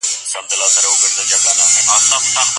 که موقع په لاس درغله منکر عمل منع کړئ.